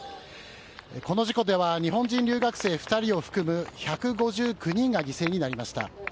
この事故では日本人留学生２人を含む１５９人が犠牲になりました。